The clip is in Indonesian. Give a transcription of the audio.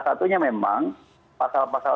satunya memang pasal pasal